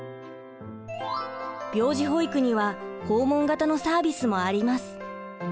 病児保育には訪問型のサービスもあります。